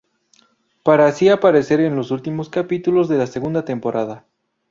Para así aparecer en los últimos capítulos de la segunda temporada.